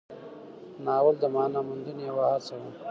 ناول د معنا موندنې یوه هڅه وه.